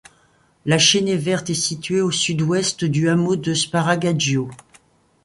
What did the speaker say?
La chênaie verte est située au sud-ouest du hameau de Sparagaggio.